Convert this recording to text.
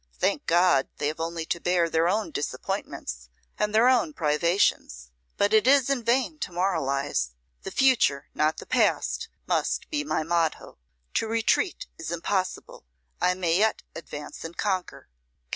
Thank God, they have only to bear their own disappointments and their own privations; but it is in vain to moralise. The future, not the past, must be my motto. To retreat is impossible; I may yet advance and conquer.